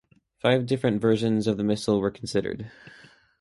Five different versions of the missile were considered.